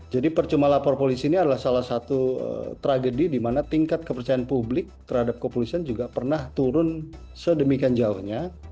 jadi percuma lapor polisi ini adalah salah satu tragedi di mana tingkat kepercayaan publik terhadap kepolisian juga pernah turun sedemikian jauhnya